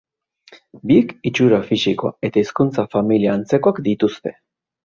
Biek itxura fisikoa eta hizkuntza-familia antzekoak dituzte.